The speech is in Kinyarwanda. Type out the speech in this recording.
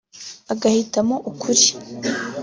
agahitamo ukuri